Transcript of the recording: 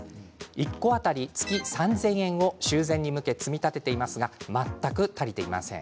１戸当たり月３０００円を修繕に向け積み立てていますが全く足りていません。